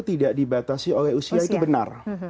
tidak dibatasi oleh usia itu benar